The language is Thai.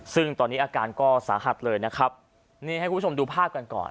ซึ่งตอนนี้อาการก็สาหัสเลยนะครับนี่ให้คุณผู้ชมดูภาพกันก่อน